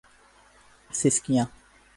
سکسیکا